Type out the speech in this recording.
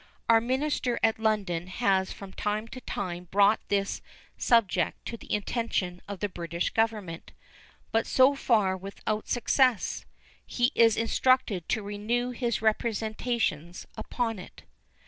Our minister at London has from time to time brought this subject to the attention of the British Government, but so far without success. He is instructed to renew his representations upon it.